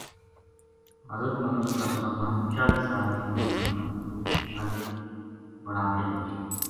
حضرت محمد ﷺ نا چالی سال کی عمر ما نبی بنا کے بھیجیو۔